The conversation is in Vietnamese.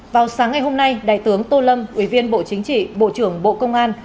vào sáng ngày hôm nay đại tướng tô lâm ủy viên bộ chính trị bộ trưởng bộ công an